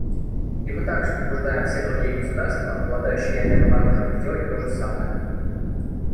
И мы также побуждаем все другие государства, обладающие ядерным оружием, сделать то же самое.